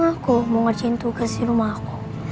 aku mau bekerja tugas di rumah aku